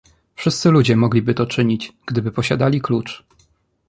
"„Wszyscy ludzie mogliby to czynić, gdyby posiadali klucz."